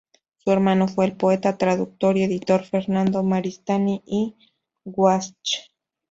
Su hermano fue el poeta, traductor y editor Fernando Maristany y Guasch.